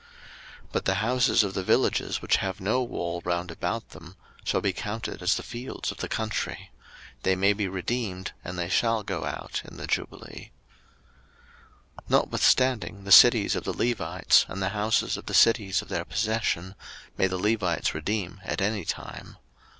03:025:031 But the houses of the villages which have no wall round about them shall be counted as the fields of the country: they may be redeemed, and they shall go out in the jubile. 03:025:032 Notwithstanding the cities of the Levites, and the houses of the cities of their possession, may the Levites redeem at any time.